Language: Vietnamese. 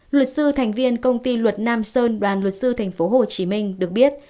luật sư thành viên công ty luật nam sơn đoàn luật sư tp hcm được biết